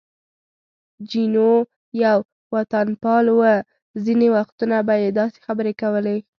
جینو یو وطنپال و، ځینې وختونه به یې داسې خبرې کولې.